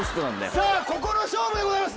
さぁここの勝負でございます